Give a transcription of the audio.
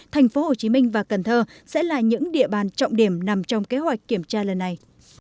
tp hcm và cần thơ sẽ là những địa bàn trọng điểm nằm trong kế hoạch kiểm tra lần này